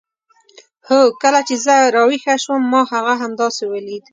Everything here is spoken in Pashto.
هو کله چې زه راویښه شوم ما هغه همداسې ولید.